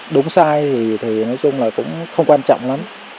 đúng sai thì nói chung là cũng không quan trọng lắm